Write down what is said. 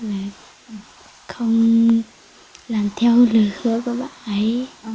và không làm theo lời hứa của bạn ấy